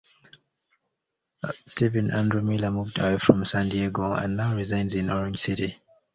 Steven Andrew Miller moved away from San Diego and now resides in Orange County.